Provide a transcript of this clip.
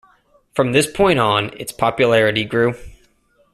From this point on, its popularity grew.